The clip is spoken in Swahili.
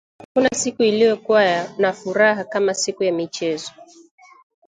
Hakuna siku iliyokuwa na furaha kama siku ya michezo